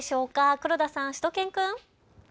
黒田さん、しゅと犬くん。